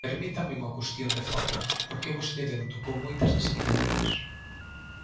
Permítame unha cuestión de forma, porque vostede non tocou moitas das iniciativas.